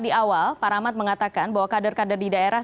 di awal pak rahmat mengatakan bahwa kader kader di daerah